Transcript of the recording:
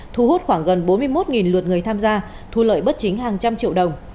thu hút khoảng gần bốn mươi một lượt người tham gia thu lợi bất chính hàng trăm triệu đồng